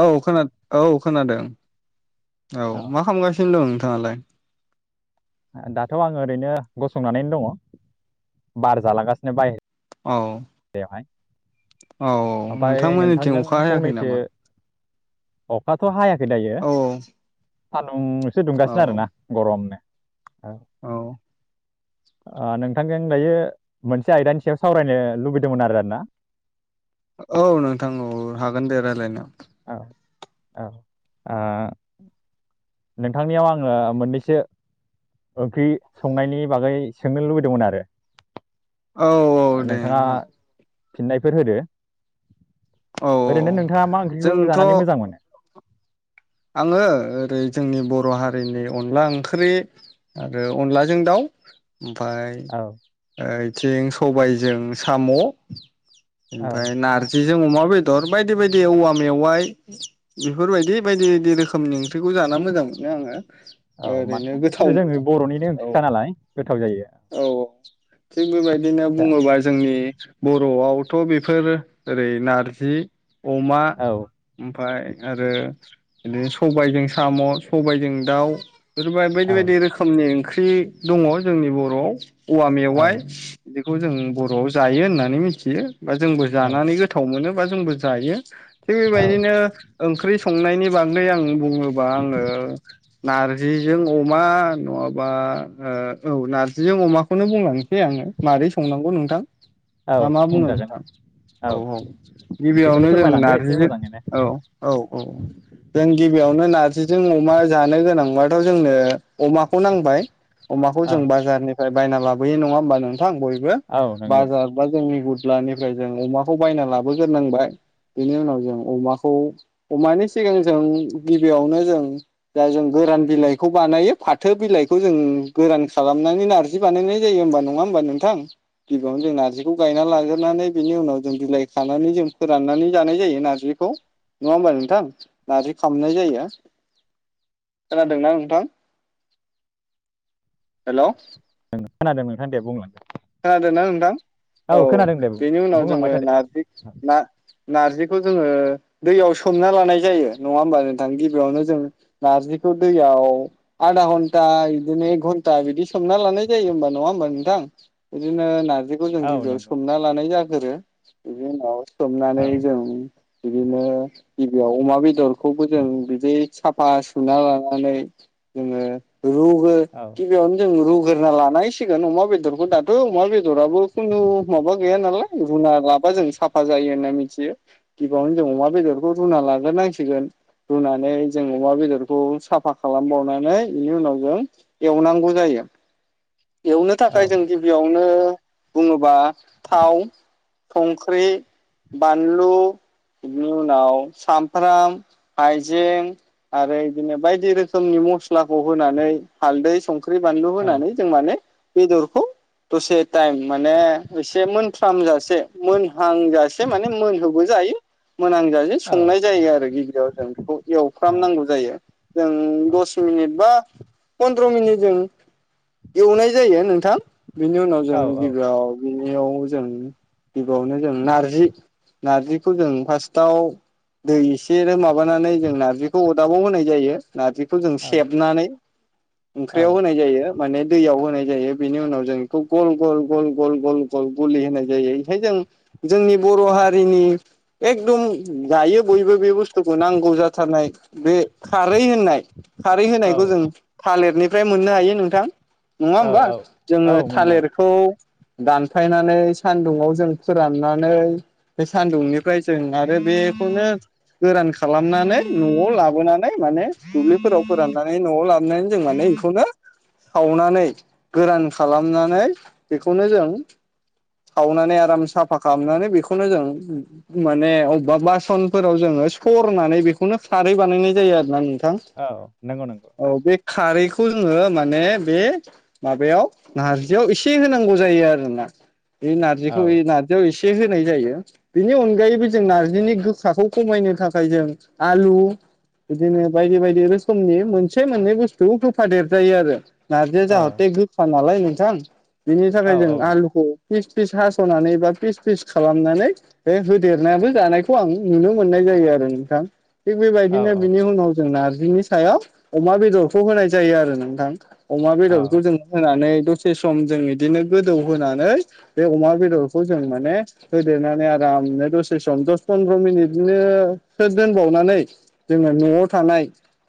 औ खोन औ खोनादों। औ मा खालामगासिनो दं नोंथाङालाय? दाथ आङो ओरैनो गसंनानैनो दङ बार जालांगासिनो बाय औ औ औ ओमफ्राय नोंथांमोननिथिं नोंथांजों अखा हायाखै फंनैसो नामा? अखाथ हायाख खै दायो। औ [unintelligible] औ दुंगासिनो आरोना गरमनो। औ। ओ नोंथांजों दायो मोनसे आयदानि सायाव सावरायनो लुबैदोंमोन आरो आरोना। औ नोंथां औ हागोन दे रायज्लायनो। औ औ आ। नोंथांनियाव आङो मोननैसो ओंख्रि संनायनि बागै सोंनो लुबैदोंमोन आरो। औ औ दे नोंथाङा नों फिननायफोर होदो। औ ओरैनो नोंथाङा मा ओंख्रिखौ जोंथ' जानानै मोजां मोनो? आङो ओरै जोंनि बर हारिनि अनला ओंख्रि आरो अनलाजों दाउ। ओमफाय औ योद थिं सबायजों साम। औ ओमफ्राय नारजि। जों अमा बेदर बायदि बायदि औवा मेवाइ बेफोरबायदि। बायदि बायदि रोखोमनि ओंख्रिखौ जाना मोजां मोनो आङो। औ ओरैनो मानोना गोथाव इफोर जोङो मोनो बरनिनो औ ओंथिखा नालाय गोथाव जायो। औ थिग बेबायदिनो दा बुङोबा जोंनि। बरआवथ बेफोर ओरै नारजि अमा औ ओमफाय। आरो बिदिनो सबायजों साम सबायजों दाउ। [unintelligible] बायदि बायदि रोखोमनि ओंख्रि। बे दङ जोंनि बर औ औवा औ मेवाय [unintelligible] खौ जों बरआव जायो होननानै मिथियो। बा जोंबो जानानै गोथाव मोनो बा जोंबो जायो थिग औ बेबायदिनो ओंख्रि सं संनायनि बागै आं बुङोबा आङो नारजिजों अमा नङाबा हो औ नार जिजों अमाखौनो बुंलांनोसै आङो मारै संनांगौ नोंथां औ ना मा बुङो बुंजागोन दे नोंथां औ औ बेखौनो गिबियावनो जों फोरमायलांदो एसे नारजिजों मोजाङैनो औ औ औ जों गिबियावनो नारजि जों अमा जानो गोनांबाथ जोंनो अमाखौ नांबाय अमाखौ औ जों बाजारनि बार बायना लाबोयो नङा होनबा थां बयबो औ नंगौ बाजार बा जोंनि। अब्लानिफ्राय जों अमाखौ बायना लाबोग्रोनांबाय बेनि उनाव जों अमाखौ अमानि सिगां जों गिबियावनो जों दा जों गोरान बिलाइखौ बानायो फाथो बिलाइखौ जों गोरान खालामनानै नारजि। नारजि बानायनाय जायो होमबा नङा होमबा नोंथां गिबियावनो जों नारजिखौ गायना लाग्रोनानै बिनि उनाव जों बिलाइ खानानै जों फोराननानै जानाय जायो नार्जिखौ नङा होमबा नोंथां नार्जि खामनाय जायो खोनादोंना नोंथां हेलौ। खोनादों नोंथां दे बुंलां। खोनादों ना नोंथां। औ दे बुं बेनि उनाव बुंलांबाय जोङो थादो नारजि ना। नार्जिखौ जोङो दैयाव सोमना लानाय जायो नङा होमबा नोंथां गिबियावनो जों नार्जिखौ दैयाव आधा घन्टा बिदिनो एक घन्टा बिदि सोमना लानाय जायो होमबा नङा होमबा नोंथां। बिदिनो नारजि खौ जों औ गिबियाव नंगौ सोमना लानाय जागोन। रो बिनि उनाव। सोमनानै औ जों। बिदिनो गिबियाव अमा बेदर। खौबो जों बिदि। साफा सुना लानानै जोङो। रुगु औ गिबियावनो जों रुग ग्रोना लानायसिगोन अमा बेदरखौ दा माथो अमा बेदराबो खुनु माबा गैया नालाय रुना लाबा जों साफा जायो होनना मिथियो गिबियावनो जों अमा बेदरखौ रुना लाग्रोनांसिगोन रुनानै जों अमा बेदरखौ साफा खालामबावनानै इनि उनाव जों एवनांगौ जायो। एवनो औ थाखाय जों। गिबियावनो बुङोबा थाव संख्रि बानलु बिनि उनाव सामब्राम हायजें आरो बिदिनो बायदि रोखोमनि मस्लाखौ होनानै हालदै संख ख्रि बानलु औ होनानै जों माने। बेदरखौ। दसे टाइम माने एसे मोनफ्रामजासे मोनहांजासे माने मोनहोबो जायो। मोनांजासे औ संनाय औ जायो आरो गिबियाव जों बेखौ एवफ्रामनांगौ जायो जों औ दस मिनिट बा। पन्द्र मिनिटजों एवनाय जायो नोंथां। बेनि उनाव औ जों गिबियाव। बेनियाव जों गिबियावनो जों नारजि नारजिखौ जों फार्स्टआव दै एसे माबानानै जों नार्जिखौ अरदाबाव होनाय जायो। नार्जिखौ जों सेबनानै। ओंख्रियाव होनाय जायो माने दैयाव होनाय जायो बिनि उनाव जों गल गल गल गल गल गल गलि होनाय जायो बेहाय जों जोंनि बर' हारिनि एकदम गायो बयबो बे बुस्थुखौ नांगौ जाथारनाय बे खारै होननाय खारै होनायखौ जों थालिरनि ओमफ्राय मोननो हायो नोंथां नङा औ होमबा औ औ जोङो मोननो हायो थालिरखौ दानफायनानै सानदुंआव जों फोराननानै बे सान्दुंनिफ्राय जों आरो बेखौनो गोरान खालामनानै न'आव लाबोनानै माने दुब्लिफोराव फोराननानै न'आव लाबोनानै जों माने बेखौनो सावनानै गोरान खालाम मनानै बेखौनो जों सावनानै आराम साफा खालामनानै बेखौनो जों माने अबेबा बासनफोराव जोङो सरनानै बेखौनो खारै बानायनाय जायो आरोना नों औ नंगौ नंगौ खारैखौ जोङो माने बे माबायाव नारजियाव एसे होनांगौ जायो आरोना बे औ नारजिखौ नारजियाव इसे ए होनाय जायो बेनि अनगायैबो जों नारजिनि गोखाखौ खमायनो थाखाय जों आलु बिदिनो बायदि बायदि रोखोमनि मोनसे मोननै बुस्थु थफा देरजायो आरो नारजिया औ जाहथे गो मालाय नोंथां बिनि औ थाखाय जों औ आलुखौ फिस फिस हास'नानै बा फिस फिस खालामनानै बे होदेरनायाबो जानायखौ आं नुनो मोननाय जायो आरो नोंथां थिग औ बेबायदिनो औ बिनि उनाव जों नारजि बिनि सायाव अमा बेदरखौ होनाय जायो आरो नोंथां अमा बेदरखौ औ जों होनानै दसे सम जों बिदिनो गोदौ होनानै बे अमा बेदरखौ जों माने होदेरनानै आरामनो दसे सम दस फन्द्र मिनिटनो सोर दोनबावनानै जोङो नआव थानाय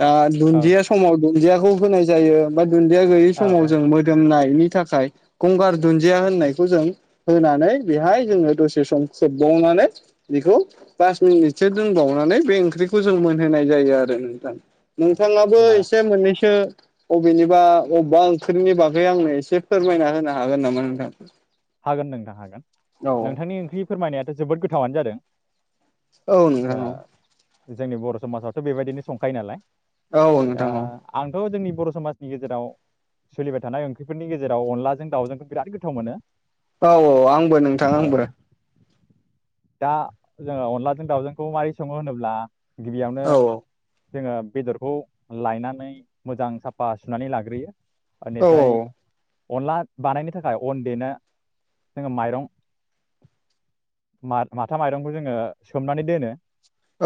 आ औ दुनजिया समाव दुनजियाखौ होनाय जायो बा दुन्दिया गैयै औ समाव होननायनि थाखाय गंगार दुन्दिया होननायखौ जों होनानै बेहाय जोङो दसे सम खोबावनानै बेखौ पास मिनिटसो दोनबावनानै बे ओंख्रिखौ जों मोनहोनाय जायो आरो नोंथां नोंथाङाबो होमबा एसे मोननैसो अबिनिबा अबा फोरनि बागै आंनो एसे फोरमायना होनो हागोन नामा नोंथां? हागोन नोंथां हागोन औ नोंथांनि ओंख्रि फोरमायनाया जोबोद गोथावानो जादों। औ ओ नोंगोना औ जोंनि बर' समाजावथ' बेबायदिनो संखायो नालाय। औ नोंथां औ। थ जोंनि बर समाजनि गेजेराव सोलिबाय थानाय ओंख्रिफोरनि गेजेराव अनलाजों दावजोंखौ बिराद गोथाव मोनो। औ आंबो नोंथां आंबो। औ दा जोङो अनलाजों दावजोंखौ मारै सङो होनोब्ला। गिबियावनो औ जोङो बेदरखौ लायनानै मोजां सापा सुनानै लाग्रोयो। औ ओनिफ्राय अनला बानायनो थाखाय अन देनो जोङो माइरं मा माथा माइरंखौ जोङो सोमनानै दोनो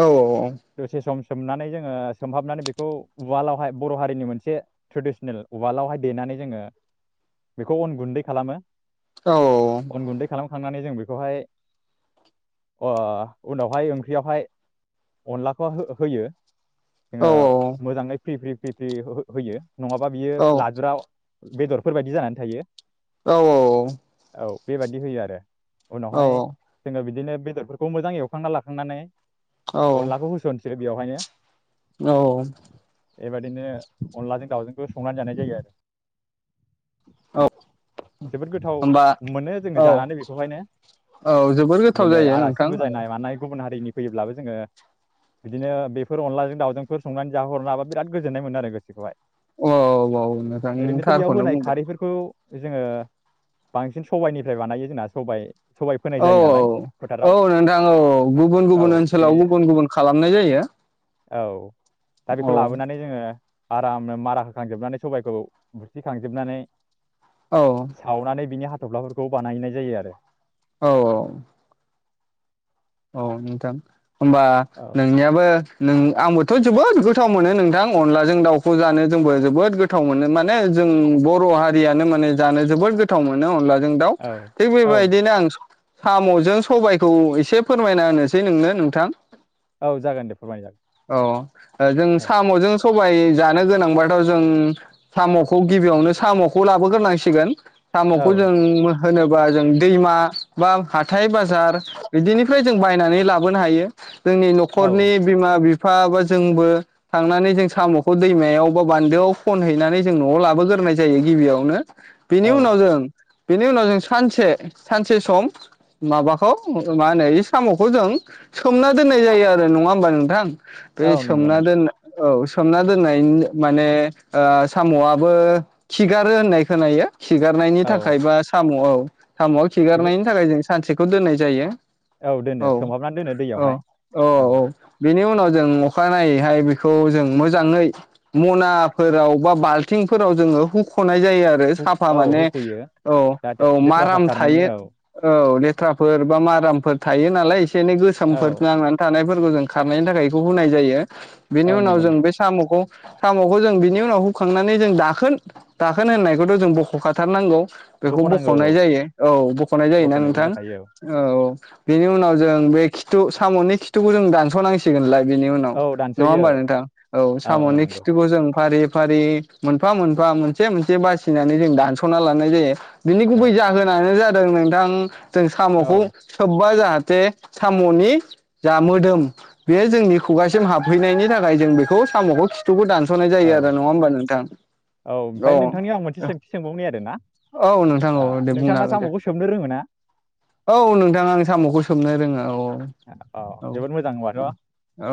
ओउ ओउ ओउ दसे सम सोमनानै जोङो सोमहाबनानै बेखौ उवालावहाय बर हारिनि मोनसे ट्रेदिसनेल उवालावहाय देनानै जोङो बेखौ अन गुन्दै खालामो। ओउ ओउ थांनानै जों बेखौहाय ओह उनावहाय ओंख्रियावहाय अनलाखौ हो होयो जोङो मोजाङै फ्रि फ्रि फ्रि फ्रि हो हो होयो नङाबा बियो लादुराव बेदरफोरबायदि जानानै थायो ओउ ओउ ओउ ओउ बेबादि होयो आरो उनावहाय जोङो बिदिनो बेदरफोरखौ मोजां एवखांना लाखांनानै अनलाखौ होस सोरो बेवहायनो ओउ ओउ ओउ बेबायदिनो अनलाजों दाउजोंखौ संनानै जानाय जायो आरो जोबोद गोथाव होमबा मोनो जोङो औ जानानै बेखौहायनो औ जोबोर गोथाव दिनै जायो आलासि नोंथां औ बुजायनाय मानाय गुबुन हारि नि फैयोब्लाबो जोङो बिदिनो बेफोर अनलाजों दावजोंफोर संनानै जाहरनो हाबा बिराद गोजोन्नाय मोनो आरो गोसोखौहाय ओउ ओउ नोंथां नों ओरैनोथ' बेयाव थारखौनो होनाय बुंदों खारैफोरखौ जोङो बांसिन सबाइनिफ्राय बानायो जोंना सबाइ सबाइ फोनाय औ जायो औ नालाय औ फोथाराव औ नोंथां औ गुबुन औ गुबुन बे ओनसोलाव गुबुन गुबुन खालामनाय जायो। औ दा बेखौ औ लाबोनानै जोङो आरामनो मारा होखांजोबनानै सबायखौ बोखांजोबनानै औ बिनि हाथफ्लाफोरखौ बानायनाय जायो आरो औ औ औ नोंथां होनबा औ नोंनियाबो नों आंबो थ जोबोद गोथाव मोनो नोंथां अनलाजों दाउखौ जानो जोंबो जोबोद गोथाव मोनो माने जों बर हारियानो माने जानो जोबोद गोथाव मोनो अनलाजों जों दाउ औ थिग औ बेबायदिनो नोंथां आं साम'जों सबायखौ एसे- फोरमायना होनोसै नोंनो नोंथां। औ जागोन दे फोरमाय जागोन औ जों औ साम'जों- सबाय जानो गोनांबाथ जों साम'खौ गिबियावनो साम'खौ लाबोग्रोनांसिगोन। साम'खौ औ जों होनो दा जों दैमा बा हाथाइ बाजार बिदिनि- फ्राय जों बायनानै लाबोनो हायो। जोंनि औ नखरनि बिमा बिफ फा जोंबो थांनानै जों साम'खौ दैमायाव बा बान्दोआव खनहैनानै जों नआव लाबोग्रोनाय जायो गिबियावनो। बेनि औ उनाव जों- बेनि उनाव जों सानसे सानसे सम माबाखौ मा होनो इस साम'खौ जों सोमना दोननाय जायो आरो नङा होमबा नोंथां? बै औ नंगौ सोमना नंगौ दोन औ सोमना दोननायनि माने ओ सामआबो खिगारो होननाय खोनायो। खिगारनायनि औ थाखाय बा सामआव [inaudible] सामआव बेखौ खिगारनायनि थाखाय जों सानसे खौ दोननाय जायो। दोनो औ सोमहाबनानै दोनो औ दैयावहाय औ औ बेनि उन आव जों अखानायैहाय बेखौ जों मोजाङै मनाफोराव बा बाल्थिंफोराव जोङो हुख नाय जायो आरो हुक साफा औ माने हुख'यो औ जाहाथे औ लेथ्राफ्रा माराम खारनायनि थायो औ औ ले लेथ्राफोर बा मारामफोर- थायो नालाय एसे एनै औ गोसोमफोर नांनानै थानायफोर खौ जों खारनायनि थाखाय बेखौ हुनाय जायो। बेनि औ उनाव नंगौ जों नोंथां बे साम'खौ- साम'खौ जों बिनि उनाव हुखांनानै जों दाखोन दाखोन होननायखौथ जों बखखाथारनांगौ। बेखौ बख'नांगौ औ बखनाय जायो औ बखनाय जायोना बख'नायबो नोंथां जाखायो औ बेनि उनाव जों बे खिथु साम'नि खिथुखौ जों दानस नांसिगोनलाय बेनि उनाव औ नङा दानस'यो होमबा नोंथां औ साम'नि खिथुखौ जों फारि फारि मोनफा मोनफा मोनसे मोनसे बासिनानै जों दानसना लानाय जायो। बिनि औ गुबै जाहोनानो जाद दों नोंथां - जों साम'खौ औ सोब बा जाहाथे सामनि जा मोदोम बेयो जोंनि खुगासिम हाबहैनायनि थाखाय जों बेखौ सामखौ खिथुखौ दानस नाय औ जायो आरो नङा होमबा नोंथां औ ओमफ्राय नोंथांनियाव आं मोनसे सोंथि सोंबावनि आरोना औ नोंथां औ दे बुंनो नोंथाङा हागोन दे साम'खौ सोबनो रोङो ना औ नोंथांं आन मखौ सोमनो रोङो औ। अ औ जोबोद मोजां होमबाथ औ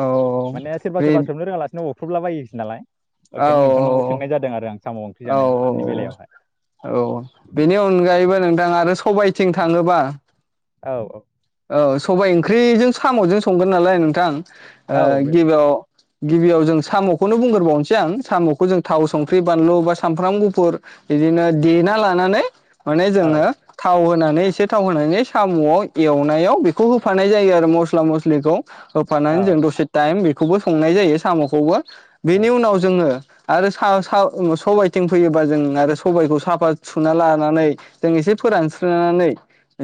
माने सोरबा बे सोरबा सोबनो रोङालासिनो अब ख्रुबला बायोसो नालाय औ ओखायनो नोंथांनावबो सोंनाय जादों आरो आं साम ओंख्रि औ औ जानायनि बेलायावहाय औ औ बेनि अनगायैबो नोंथां आरो सबाय थिं थाङोबा औ औ औ सबाय ओंख्रिजों सामजों संगोन नालाय नोंथां ओ औ बे गिबियाव गिबियाव जों सामखौनो बुंग्रोबावनोसै आं सामखौ जों थाव संख्रि बानलु बा सानफ्राम गुफुर बिदिनो देना लानानै माने औ जोङो थाव होनानै नै एसे थाव होनानै सामआव एवनायाव बेखौ होफानाय जायो आरो मस्ला मस्लिखौ होफानानै जों औ दसे टाइम खौबो संनाय जायो सामखौबो बेनि औ उनाव जोङो आरो सा-सा [unintelligible] सबाइथिं फैयोबा जों आरो सबाइखौ साफा सुना लानानै जों एसे फोरानस्रोनानै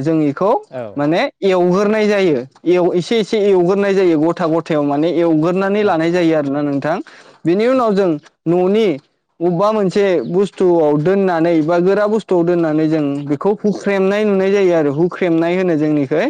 जोंनि खौ माने एवहो नाय जायो एसे एसे एवग्रोनाय जायो गथा गथायाव माने एवग्रोनानै औ लानाय जायो आरोना नों थां बेनि उनाव जों न'नि अबबा मोनसे बुस्थुआव दोननानै बा गोरा बुस्थुआव दोननानै जों बेखौ हुख्रेमनाय नुनाय जायो आरो हुख्रेमनाय होनो जोंनिखै।